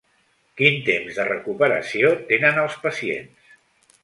Quin temps de recuperació tenen els pacients?